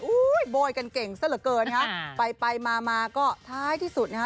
อุ๊ยโบยกันเก่งซะเหลือเกินค่ะไปมาก็ท้ายที่สุดนะคะ